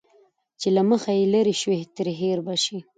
چې که له مخه يې لرې شوې، ترې هېر به شې.